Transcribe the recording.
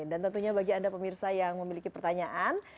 dan tentunya bagi anda pemirsa yang memiliki pertanyaan